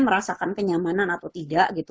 merasakan kenyamanan atau tidak gitu